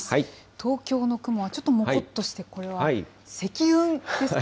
東京の雲はちょっともこっとして、これは積雲ですか？